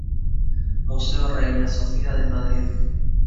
Museo Reina Sofía de Madrid.